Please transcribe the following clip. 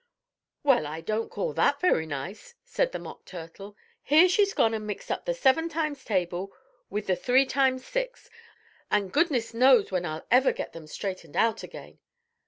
"Well, I don't call that very nice," said the Mock Turtle. "Here she's gone and mixed up the seven times table with the three times six, and goodness knows when I'll ever get them straightened out again."